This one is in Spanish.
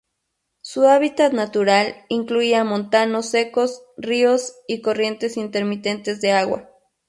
Su hábitat natural incluía montanos secos, ríos, y corrientes intermitentes de agua.